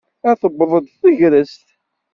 A tewweḍ-d tegrest.